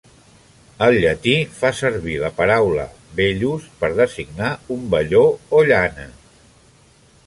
El llatí va servir la paraula "vellus" per designar "un velló" o "llana".